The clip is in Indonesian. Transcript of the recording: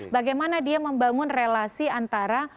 bagaimana dia membangun relasi antara